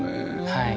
はい。